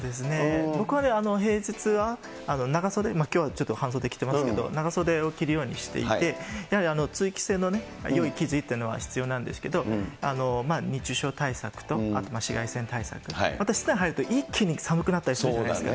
僕はね、平日は長袖、きょうはちょっと半袖着てますけれども、長袖を着るようにしていて、やはり通気性のよい生地というのは必要なんですけど、熱中症対策と、あと紫外線対策、また室内入ると一気に寒くなったりするじゃないですか。